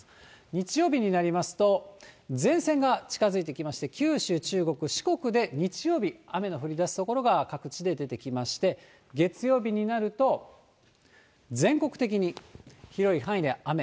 日曜日になりますと、前線が近づいてきまして、九州、中国、四国で日曜日、雨の降りだす所が各地で出てきまして、月曜日になると、全国的に広い範囲で雨。